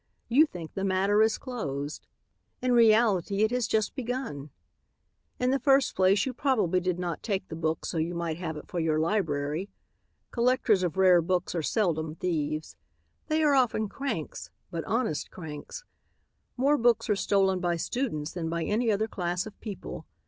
You think the matter is closed. In reality it has just begun. "In the first place, you probably did not take the book so you might have it for your library. Collectors of rare books are seldom thieves. They are often cranks, but honest cranks. More books are stolen by students than by any other class of people.